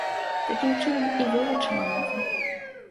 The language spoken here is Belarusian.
Такім чынам і вывучыла мову.